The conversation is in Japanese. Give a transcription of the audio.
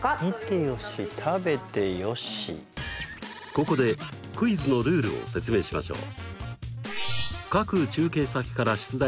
ここでクイズのルールを説明しましょう。